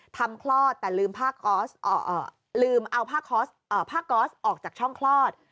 ทำคลอดแต่ลืมเอาผ้าก๊อสออกจากช่องคลอด